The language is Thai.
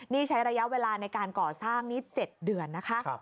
นี่ใช้ระยะเวลาในการก่อสร้างนี้๗เดือนนะคะ